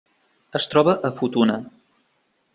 Es troba a Futuna.